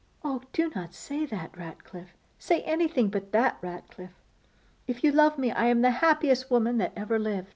'Oh! do not say that, Ratcliffe; say anything but that, Ratcliffe. If you love me I am the happiest woman that ever lived.